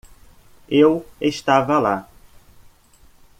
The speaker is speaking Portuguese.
Eu estava lá.